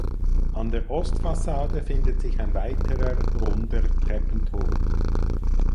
An der Ostfassade findet sich ein weiterer runder Treppenturm.